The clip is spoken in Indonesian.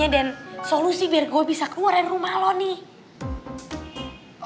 dan solusi biar gue bisa keluar dari rumah lo nih